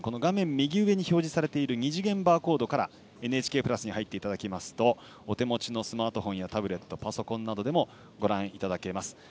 右上に表示されている二次元バーコードから「ＮＨＫプラス」に入っていただきますとお手持ちのスマートフォンやタブレット、パソコンなどでもご覧いただけます。